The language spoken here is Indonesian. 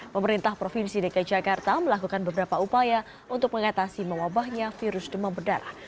pemerintah provinsi dki jakarta melakukan beberapa upaya untuk mengatasi mewabahnya virus demam berdarah